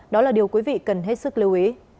đó là điều quý vị cần hết sức lưu ý